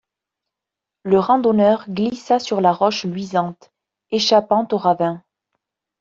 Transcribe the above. Le randonneur glissa sur la roche luisante, échappant au ravin.